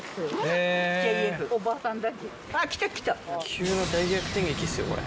急な大逆転劇ですよこれ。